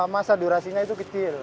masa durasinya itu kecil